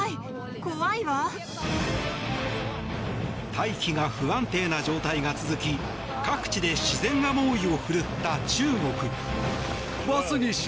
大気が不安定な状態が続き各地で自然が猛威を振るった中国。